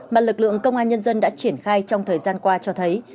mà lực lượng công an nhân dân đã triển khai trong thời gian qua cho thấy